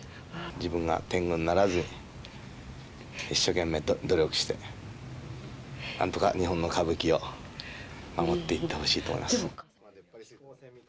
自分がてんぐにならずに、一生懸命努力して、なんとか日本の歌舞伎を守っていってほしいと思います。